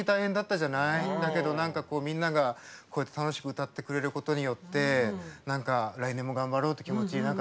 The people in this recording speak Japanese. だけど何かこうみんながこうやって楽しく歌ってくれることによって何か来年も頑張ろうって気持ちに何かなれた。